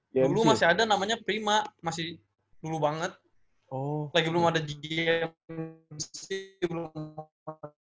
dulu masih ada namanya bima masih dulu banget lagi belum ada g g yang masih belum